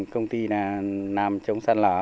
công ty làm chống sạt lở